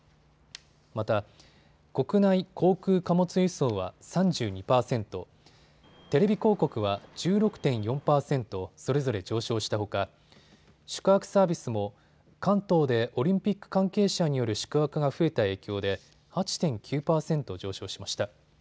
また、国内航空貨物輸送は３２％、テレビ広告は１６．４％それぞれ上昇したほか宿泊サービスも関東でオリンピック関係者による宿泊が増えた影響で８．９％上昇しました。